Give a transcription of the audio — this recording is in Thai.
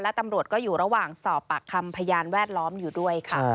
และตำรวจก็อยู่ระหว่างสอบปากคำพยานแวดล้อมอยู่ด้วยค่ะ